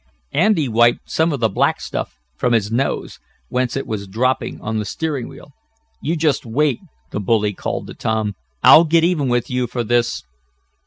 Andy wiped some of the black stuff from his nose, whence it was dropping on the steering wheel. "You just wait!" the bully called to Tom. "I'll get even with you for this!"